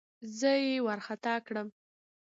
زه يې وارخطا کړم.